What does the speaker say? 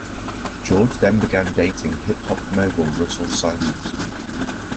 George then began dating hip hop mogul Russell Simmons.